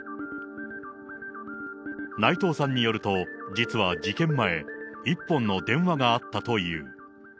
内藤さんによると、実は事件前、一本の電話があったという。